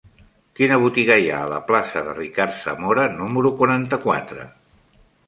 Quina botiga hi ha a la plaça de Ricard Zamora número quaranta-quatre?